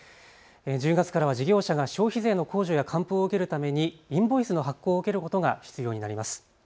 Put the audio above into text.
１０月からは事業者が消費税の控除や還付を受けるためにインボイスの発行を受けることが必要になります。